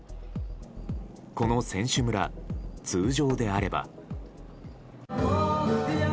この選手村、通常であれば。